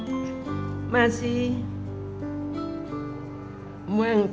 ibu masih menangis